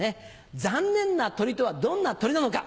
残念な鳥とはどんな鳥なのか